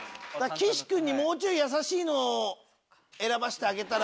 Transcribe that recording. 岸君にもうちょい易しいのを選ばせてあげたら。